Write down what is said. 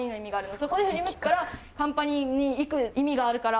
そこで振り向くからカンパニーに行く意味があるから。